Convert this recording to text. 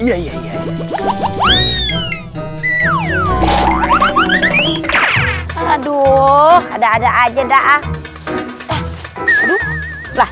aduh ada ada aja dah aduh